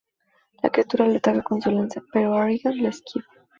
La criatura lo ataca con su lanza, pero Harrigan la esquiva.